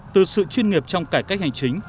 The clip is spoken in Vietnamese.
từ sự chuyên nghiệp trong cải cách hành chính